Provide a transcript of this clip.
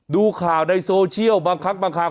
ดูข่าวในโซเชียลบางครั้งบางครั้ง